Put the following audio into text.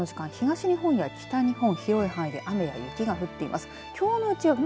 この時間東日本や北日本、広い範囲で雨や雪が降っています。